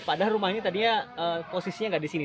padahal rumah ini tadinya posisinya nggak di sini